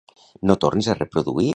No tornis a reproduir aquesta cançó.